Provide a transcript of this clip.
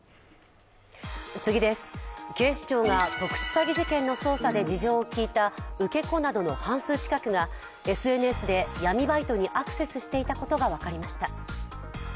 警視庁が特殊詐欺事件の捜査で事情を聴いた受け子などの半数近くでＳＮＳで闇バイトにアクセスしていたことが分かりました。